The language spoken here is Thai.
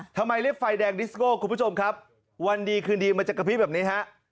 ทำไมเรียกไฟแดงดิสโก้คุณผู้ชมครับวันดีคืนดีมันจะกระพริบแบบนี้ฮะ